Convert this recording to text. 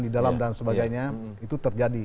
di dalam dan sebagainya itu terjadi